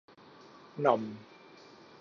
Nom